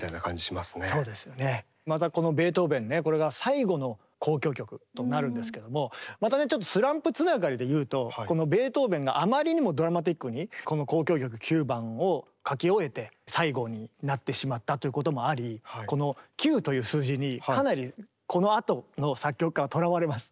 またこのベートーベンねこれが最後の交響曲となるんですけどもまたねちょっとスランプつながりで言うとこのベートーベンがあまりにもドラマティックにこの「交響曲９番」を書き終えて最後になってしまったということもありこの「９」という数字にかなりこのあとの作曲家はとらわれます。